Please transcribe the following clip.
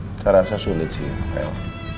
saya rasa sulit sih